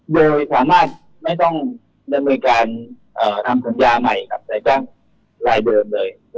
โดยสามารถไม่ต้องดำเนินการทำสัญญาใหม่กับนายจ้างรายเดิมเลย